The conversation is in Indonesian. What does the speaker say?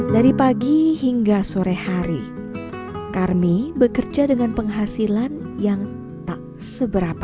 dari pagi hingga sore hari karmi bekerja dengan penghasilan yang tak seberapa